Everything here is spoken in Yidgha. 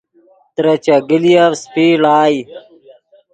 ترے چیگلیف سیپی ڑائے